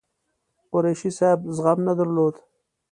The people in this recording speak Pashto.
قریشي صاحب زغم نه درلود.